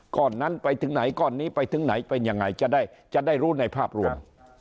ก้อนนั้นไปถึงไหนก้อนนี้ไปถึงไหนเป็นยังไงจะได้จะได้รู้ในภาพรวม